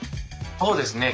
そうですね。